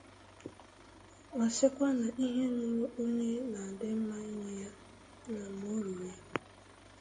ma sịkwa na ihe ruru onye na-adị mma inye ya na mgbe o ruru ya